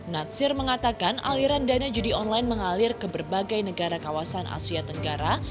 natsir mengatakan aliran dana judi online mengalir ke berbagai negara kawasan asia tenggara